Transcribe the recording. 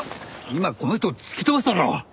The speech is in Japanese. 今この人を突き飛ばしたろ！